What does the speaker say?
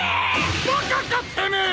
バカかてめえ！